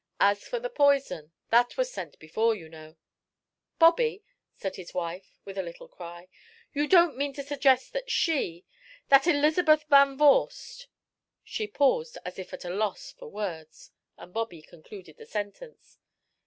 As for the poison, that was sent before, you know" "Bobby," said his wife, with a little cry, "you don't mean to suggest that she that Elizabeth Van Vorst" She paused as if at a loss for words, and Bobby concluded the sentence.